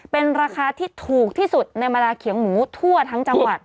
เป็นราคาที่ถูกที่สุดในเวลาเขียงหมูทั่วทั้งจังหวัด